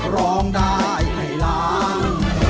ร้องได้ให้ล้าน